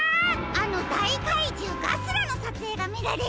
あの「だいかいじゅうガスラ」のさつえいがみられるんですよ！